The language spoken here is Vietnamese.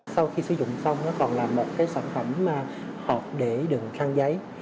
sau khi sử dụng xong nó còn là một sản phẩm hợp để đừng khăn giấy